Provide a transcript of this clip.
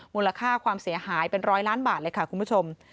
มูลค่าความเสียหายเป็นร้อยล้านบาทเลยค่ะคุณผู้ชม